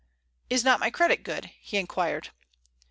"Is not my credit good?" he inquired.